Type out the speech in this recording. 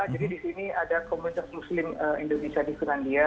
jadi di sini ada komunitas muslim indonesia di surandia